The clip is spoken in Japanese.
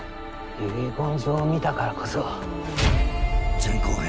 遺言状を見たからこそ。